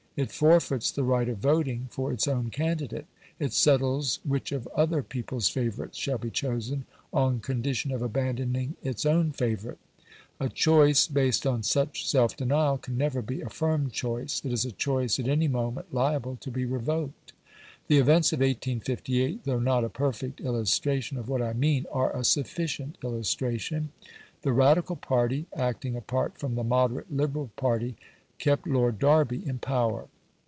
It forfeits the right of voting for its own candidate. It settles which of other people's favourites shall be chosen, on condition of abandoning its own favourite. A choice based on such self denial can never be a firm choice it is a choice at any moment liable to be revoked. The events of 1858, though not a perfect illustration of what I mean, are a sufficient illustration. The Radical party, acting apart from the moderate Liberal party, kept Lord Derby in power.